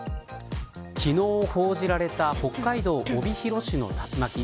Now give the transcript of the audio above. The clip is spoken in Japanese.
昨日報じられた北海道帯広市の竜巻。